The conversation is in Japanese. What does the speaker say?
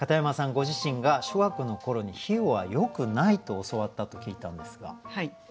ご自身が小学校の頃に比喩はよくないと教わったと聞いたんですが。